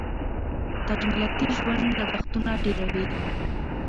تجملاتي ژوند لګښتونه ډېروي.